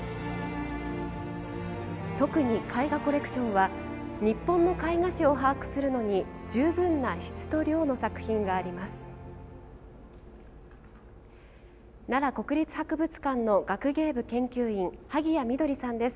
特に、絵画コレクションは日本の絵画史を把握するのに十分な質と量の作品があります。